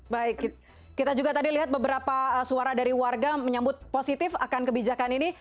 baik kita juga tadi lihat beberapa suara dari warga menyambut positif akan kebijakan ini